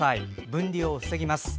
分離を防ぎます。